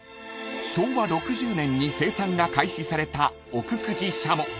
［昭和６０年に生産が開始された奥久慈しゃも］